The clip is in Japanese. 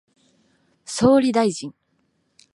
総理大臣